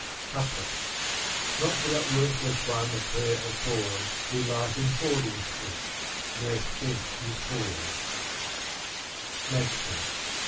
Couplet Not for that worthless one a prayer afford. Who life in hoarding spent — ne'er spent his hoard. MAXIM.